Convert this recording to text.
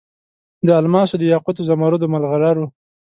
د الماسو، دیاقوتو، زمرودو، مرغلرو